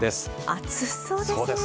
暑そうですね。